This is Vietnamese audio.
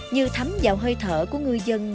như thấm vào hơi thở của người dân